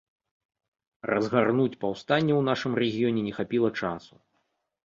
Разгарнуць паўстанне ў нашым рэгіёне не хапіла часу.